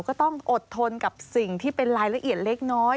ก็ต้องอดทนกับสิ่งที่เป็นรายละเอียดเล็กน้อย